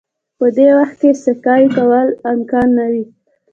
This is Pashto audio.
په دې وخت کې د سکی کولو امکان نه وي